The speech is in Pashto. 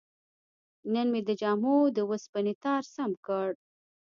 نن مې د جامو د وسپنې تار سم کړ.